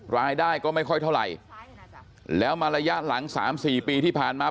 รายได้ก็ไม่ค่อยเท่าไหร่แล้วมาระยะหลัง๓๔ปีที่ผ่านมา